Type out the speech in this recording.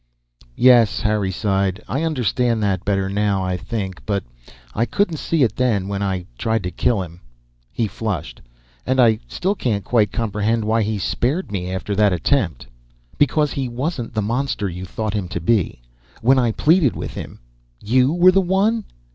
"Yes," Harry sighed. "I understand that better now, I think. But I couldn't see it then, when I tried to kill him." He flushed. "And I still can't quite comprehend why he spared me after that attempt." "Because he wasn't the monster you thought him to be. When I pleaded with him " "You were the one!"